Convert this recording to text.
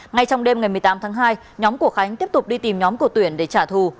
ngay trong đêm ngày một mươi tám tháng hai nhóm của khánh tiếp tục đi tìm nhóm của tuyển để trả thù